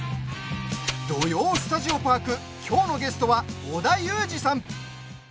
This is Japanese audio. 「土曜スタジオパーク」きょうのゲストは織田裕二さん！